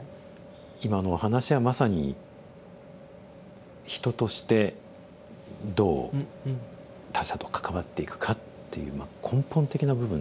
今のお話はまさに人としてどう他者と関わっていくかっていう根本的な部分ですよね。